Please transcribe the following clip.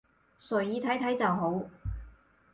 隨意睇睇就好